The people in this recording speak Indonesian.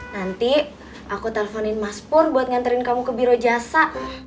nanti aku telponin mas pur buat nganterin kamu ke biro jasa